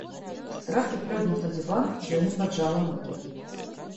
В страхе прыгнув на диван, Женя поджала ноги.